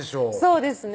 そうですね